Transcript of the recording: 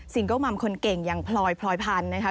เกิลมัมคนเก่งอย่างพลอยพลอยพันธุ์นะคะ